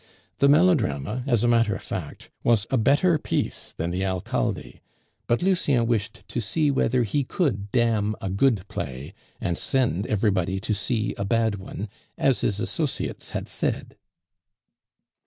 The melodrama, as a matter of fact, was a better piece than the Alcalde; but Lucien wished to see whether he could damn a good play and send everybody to see a bad one, as his associates had said.